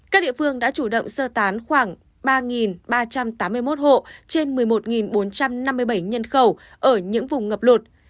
các địa phương đã chủ động sơ tán khoảng ba ba trăm tám mươi một hộ trên một mươi một bốn trăm năm mươi bảy nhân khẩu ở những vùng ngập lụt